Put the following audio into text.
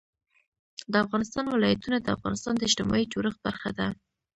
د افغانستان ولايتونه د افغانستان د اجتماعي جوړښت برخه ده.